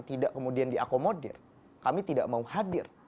tidak kemudian diakomodir kami tidak mau hadir